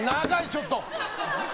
ちょっと。